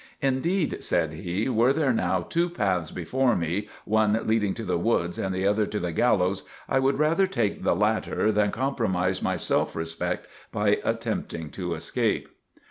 "Indeed," said he, "were there now two paths before me, one leading to the woods and the other to the gallows, I would rather take the latter than compromise my self respect by attempting to escape."